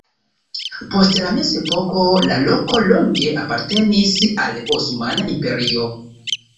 Post la mezepoko la loko longe apartenis al Osmana Imperio.